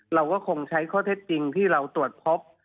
เราก็คงใช้ข้อเท็จจริงที่เราตรวจพบ